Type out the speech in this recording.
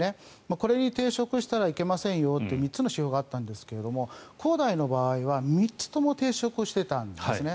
これに抵触したらいけませんよという３つの指標があったんですが恒大の場合は３つとも抵触していたんですね。